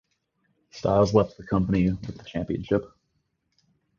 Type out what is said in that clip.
Styles left the company with the championship.